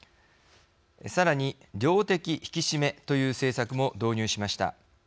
さらに量的引き締めという政策も導入しました。